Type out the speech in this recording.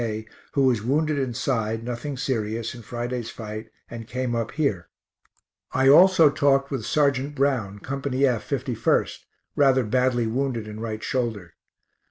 K, who was wounded in side, nothing serious, in Friday's fight, and came up here. I also talked with Serg. Brown, Co. F, 51st, rather badly wounded in right shoulder.